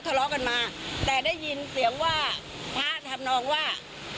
ทะเลาะกันมาแต่ได้ยินเสียงว่าพระทำนองว่า